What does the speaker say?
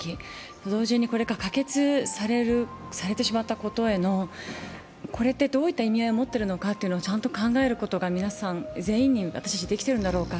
同時にこれが可決されてしまったことへの、これってどういった意味合いを持っているかをちゃんと考えることが皆さん全員に、私たちできているんだろうか。